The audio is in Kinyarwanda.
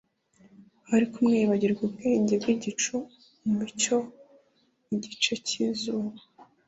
ariko umwe yibagiwe ubwenge bwigicu umucyo nk'igice cy'izuba